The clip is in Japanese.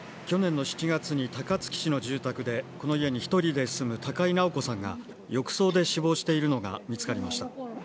去年の７月に高槻市の住宅で、この家に１人で住む高井直子さんが、浴槽で死亡しているのが見つかりました。